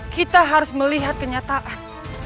kita harus melihat kenyataan